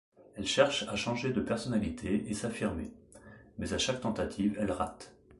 Elle cherche à changer de personnalité et s'affirmer... mais à chaque tentative, elle rate.